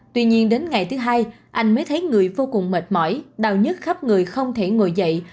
tuy nhiên đến ngày thứ hai anh mới thấy người vô cùng mệt mỏi đau nhất khắp người không thể ngồi dậy